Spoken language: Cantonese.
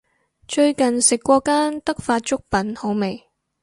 最近食過間德發粥品好味